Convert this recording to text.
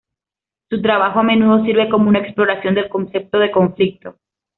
Su trabajo a menudo sirve como una exploración del concepto de conflicto.